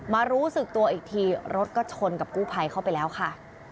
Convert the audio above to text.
รู้สึกตัวอีกทีรถก็ชนกับกู้ภัยเข้าไปแล้วค่ะ